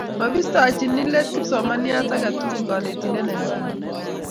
Mabistochini let kipsomananiat age tugul konetindet ne kararan